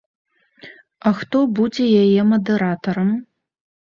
А хто будзе яе мадэратарам?